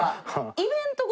イベント事